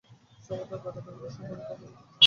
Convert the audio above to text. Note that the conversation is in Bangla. স্বভাবতই বেদান্তে কোন সম্প্রদায়, ধর্ম বা জাতিবিচার নাই।